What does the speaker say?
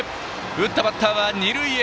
打ったバッターは二塁へ！